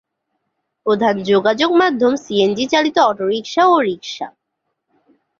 প্রধান যোগাযোগ মাধ্যম সিএনজি চালিত অটোরিক্সা ও রিক্সা।